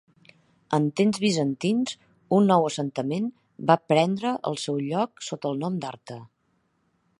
En temps bizantins, un nou assentament va prendre el seu lloc sota el nom d'Arta.